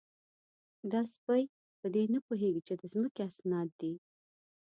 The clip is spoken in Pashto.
_دا سپۍ په دې نه پوهېږي چې د ځمکې اسناد دي؟